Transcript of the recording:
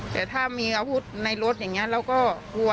แต่ถ้ามีอาวุธในรถเราก็กลัว